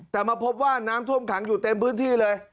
แต่มาพบว่าน้ำท่วมขังอยู่เต็มพื้นที่เลย